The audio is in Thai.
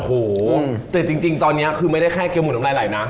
โอ้โหแต่จริงตอนนี้คือไม่ได้แค่เกียร์หมูน้ำลายไหลนะ